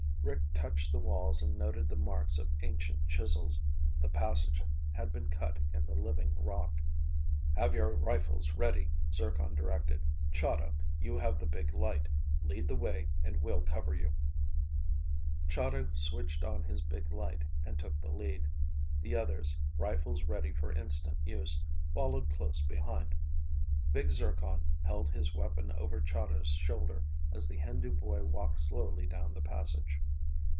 Rick touched the walls and noted the marks of ancient chisels. The passage had been cut in the living rock. "Have your rifles ready," Zircon directed. "Chahda, you have the big light. Lead the way and we'll cover you." Chahda switched on his big light and took the lead. The others, rifles ready for instant use, followed close behind. Big Zircon held his weapon over Chahda's shoulder as the Hindu boy walked slowly down the passage.